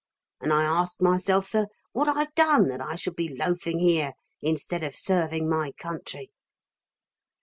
And I ask myself, sir, what I've done that I should be loafing here instead of serving my country."